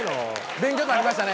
勉強になりましたね。